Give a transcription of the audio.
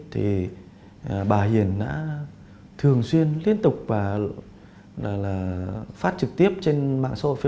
thì bà hiền đã thường xuyên liên tục phát trực tiếp trên mạng social